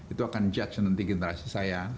itu akan judge nanti generasi saya